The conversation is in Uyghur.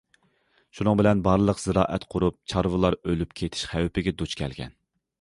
شۇنىڭ بىلەن بارلىق زىرائەت قۇرۇپ، چارۋىلار ئۆلۈپ كېتىش خەۋپىگە دۇچ كەلگەن.